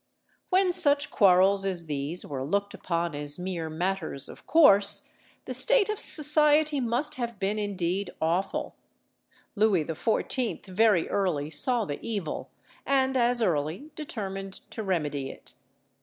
When such quarrels as these were looked upon as mere matters of course, the state of society must have been indeed awful. Louis XIV. very early saw the evil, and as early determined to remedy it.